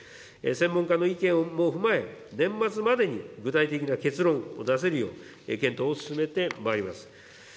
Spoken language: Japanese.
専門家の意見も踏まえ、年末までに具体的な結論を出せるよう、検討を進めてまいります。